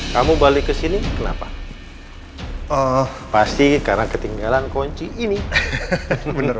kamu balik ke sini kenapa oh pasti karena ketinggalan kunci ini bener